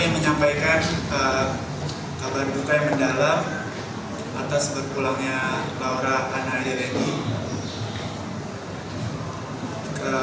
menyampaikan kabar buka yang mendalam atas berpulangnya laura anna